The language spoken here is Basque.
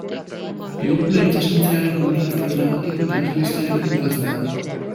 Pelikula itsasontziaren hondoratze dramatiko eta tristearekin bukatzen da.